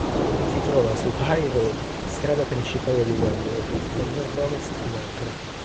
Si trova su High Road, strada principale di Wembley, nel nord-ovest di Londra.